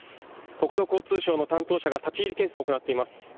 国土交通省の担当者が立ち入り検査を行っています。